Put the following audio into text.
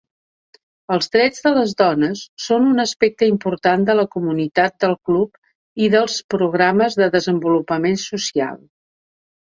Els drets de les dones són un aspecte important de la comunitat del club i dels seus programes de desenvolupament social.